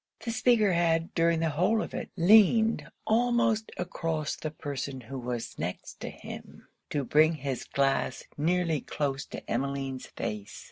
The speaker had, during the whole of it, leaned almost across the person who was next to him, to bring his glass nearly close to Emmeline's face.